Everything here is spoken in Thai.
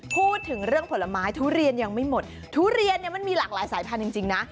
พูดถึงเรื่องผลไม้ทุเรียนยังไม่หมดทุเรียนเนี่ยมันมีหลากหลายสายพันธุ์จริงนะ